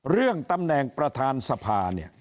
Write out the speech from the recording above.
เรื่องตำแหน่งประธานสภาเนี่ย